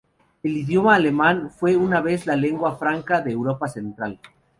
El idioma Alemán fue una vez la lengua franca de Europa central.